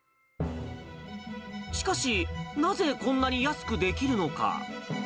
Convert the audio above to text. しかし、なぜこんなに安くできるのか。